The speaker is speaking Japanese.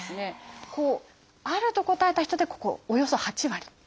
「ある」と答えた人でここおよそ８割。